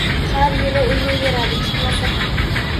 Har yili o‘ynayveradi chiqmasa ham.